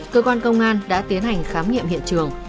cơ quan công an đã tiến hành khám nghiệm hiện trường